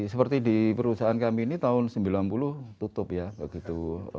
seperti di perusahaan kami ini tahun sembilan puluh tutup ya begitu